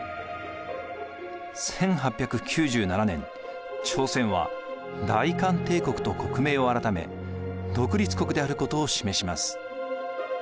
１８９７年朝鮮は大韓帝国と国名を改め独立国であることを示します。